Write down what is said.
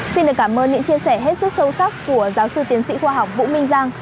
xin được cảm ơn những chia sẻ hết sức sâu sắc của giáo sư tiến sĩ khoa học vũ minh giang